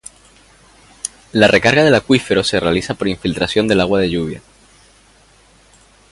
La recarga del acuífero se realiza por infiltración del agua de lluvia.